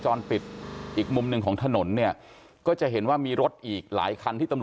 ใช่ไหมซึ่งสีขาวแดงคือที่ห้ามจอดถูกไหมคะ